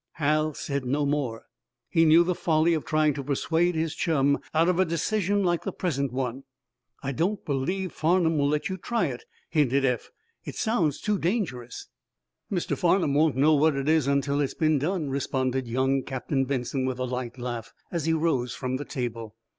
Hal said no more. He knew the folly of trying to persuade his chum out of a decision like the present one. "I don't believe Farnum will let you try it," hinted Eph. "It sounds too dangerous." "Mr. Farnum won't know what it is until it's been done," responded young Captain Benson, with a light laugh, as he rose from the table.